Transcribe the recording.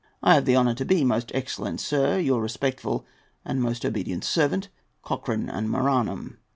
] I have the honour to be, Most excellent sir, Your respectful and most obedient Servant, COCHRANE AND MARANHAM.